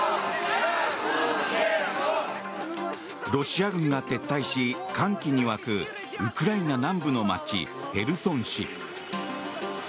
ロシア軍が撤退し歓喜に沸くウクライナ南部の街ヘルソン市。